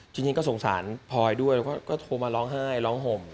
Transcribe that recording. จริงก็สงสารพลอยด้วยแล้วก็โทรมาร้องไห้ร้องห่ม